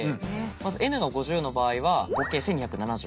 まずｎが５０の場合は合計１，２７５。